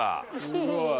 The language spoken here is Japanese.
すごい。